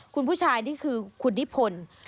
คุณผู้ชายนี่คือคุณนิพนธ์